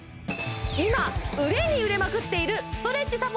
今売れに売れまくっているストレッチサポートアイテム